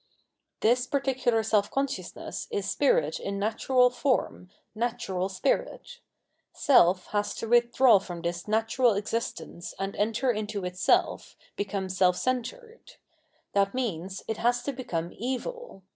This particular self consciousness is Spirit in natural form, natural spirit : self has to withdraw from this natural existence and enter into itself, become self centred ; that means, it has to become evil.